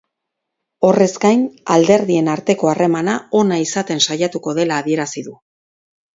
Horrez gain, alderdien arteko harremana ona izaten saiatuko dela adierazi du.